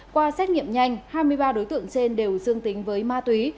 qua xét nghiệm nhanh hai mươi ba đối tượng trên đều dương tính với ma túy